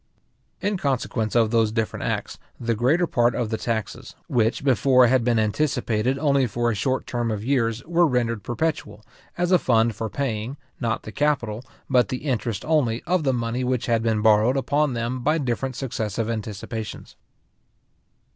In consequence of those different acts, the greater part of the taxes, which before had been anticipated only for a short term of years were rendered perpetual, as a fund for paying, not the capital, but the interest only, of the money which had been borrowed upon them by different successive anticipations.